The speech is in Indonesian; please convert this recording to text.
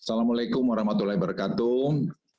assalamu'alaikum warahmatullahi wabarakatuh